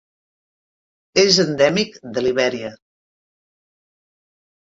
És endèmic de Libèria.